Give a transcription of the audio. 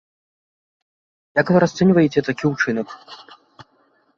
Як вы расцэньваеце такі ўчынак?